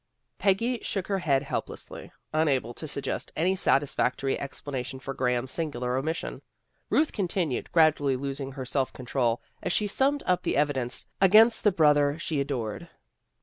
Peggy shook her head helplessly, unable to suggest any satisfactory explanation for Gra ham's singular omission. Ruth continued, gradually losing her self control, as she summed up the evidence against the brother she adored.